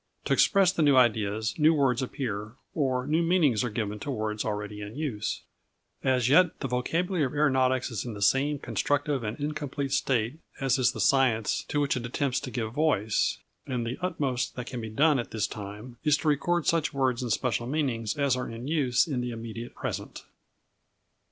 To express the new ideas, new words appear, or new meanings are given to words already in use. As yet, the vocabulary of aeronautics is in the same constructive and incomplete state as is the science to which it attempts to give voice, and the utmost that can be done at this time is to record such words and special meanings as are in use in the immediate present.